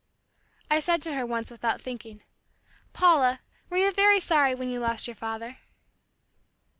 I said to her once without thinking, "Paula, were you very sorry when you lost your father?"